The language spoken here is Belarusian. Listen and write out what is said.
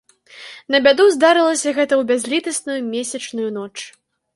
На бяду, здарылася гэта ў бязлітасную месячную ноч.